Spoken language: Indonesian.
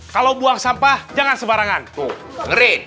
kalau buang sampah jangan sebarangan tuh ngeri